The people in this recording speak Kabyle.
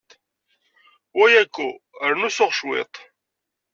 Wa ayako, rnu suɣ cwiṭ.